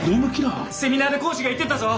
セミナーで講師が言ってたぞ。